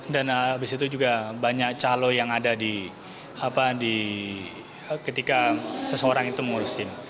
dan abis itu juga banyak calo yang ada ketika seseorang itu mengurus sim